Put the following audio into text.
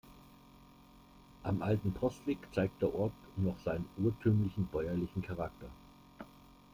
Am alten Postweg zeigt der Ort noch seinen urtümlichen, bäuerlichen Charakter.